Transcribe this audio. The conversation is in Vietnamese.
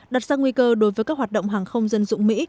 đặt ra nguy cơ đối với các hoạt động hàng không dân dụng mỹ